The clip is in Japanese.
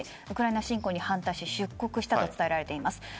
ウクライナ侵攻に反対し出国したと伝えられています。